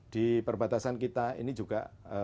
di perbatasan kita ini juga